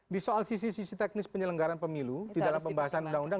di soal sisi sisi teknis penyelenggaraan pemilu di dalam pembahasan undang undang